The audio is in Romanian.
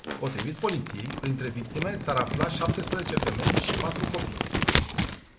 Potrivit poliției, printre victime sar afla șaptesprezece femei și patru copii.